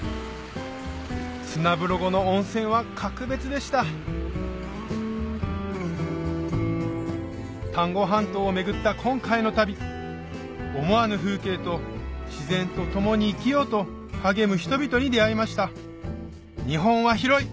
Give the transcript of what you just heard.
砂風呂後の温泉は格別でした丹後半島を巡った今回の旅思わぬ風景と自然と共に生きようと励む人々に出会いました日本は広い！